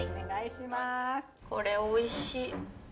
これおいしい。